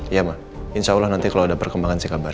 iya ma insya allah nanti kalo ada perkembangan lagi soal iqbal